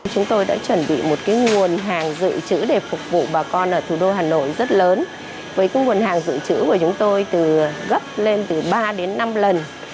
chúng tôi đã chuẩn bị một nguồn hàng dự trữ để phục vụ bà con ở thủ đô hà nội rất lớn với nguồn hàng dự trữ của chúng tôi từ gấp lên từ ba đến năm lần